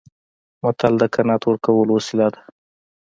متل د قناعت ورکولو وسیله ده